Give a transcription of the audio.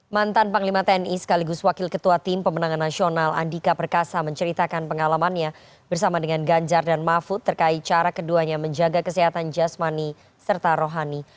mantan panglima tni sekaligus wakil ketua tim pemenangan nasional andika perkasa menceritakan pengalamannya bersama dengan ganjar dan mahfud terkait cara keduanya menjaga kesehatan jasmani serta rohani